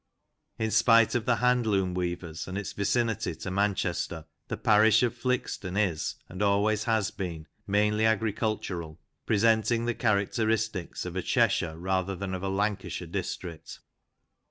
In spite of the hand loom weavers and its vicinity to Manchester, the parish of Flixton is, and always has been, mainly agricultural, presenting the characteristics of a Cheshire rather than of a Lancashire district.